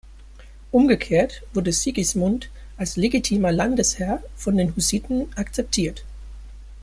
Umgekehrt wurde Sigismund als legitimer Landesherr von den Hussiten akzeptiert.